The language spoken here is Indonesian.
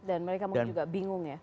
dan mereka mungkin juga bingung ya